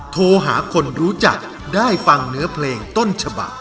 โทรหาคนรู้จักได้ฟังเนื้อเพลงต้นฉบัก